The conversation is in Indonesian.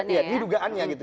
iya ini dugaannya gitu